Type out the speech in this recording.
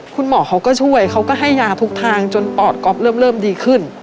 คุณหมอเขาก็ช่วยเขาก็ให้ยาทุกทางจนปอดก๊อฟเริ่มดีขึ้น